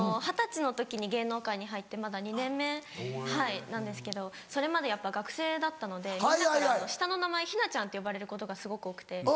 二十歳の時に芸能界に入ってまだ２年目なんですけどそれまでやっぱ学生だったのでみんなから下の名前ひなちゃんって呼ばれることがすごく多くて。